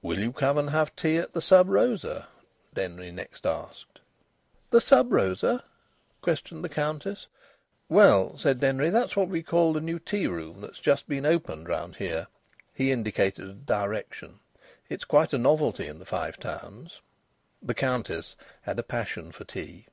"Will you come and have tea at the Sub Rosa?" Denry next asked. "The Sub Rosa?" questioned the Countess. "Well," said Denry, "that's what we call the new tea room that's just been opened round here." He indicated a direction. "It's quite a novelty in the Five Towns." The Countess had a passion for tea.